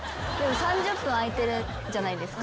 ３０分空いてるじゃないですか。